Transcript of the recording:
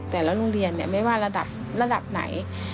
แต่ละโรงเรียนที่ไม่ว่าระดับไหน